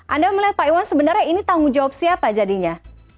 anda melihat pak iwan sebenarnya ini tanggung jawab siapa jadinya